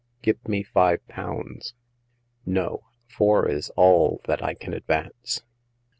Give me five pounds." No ; four is all that I can advance."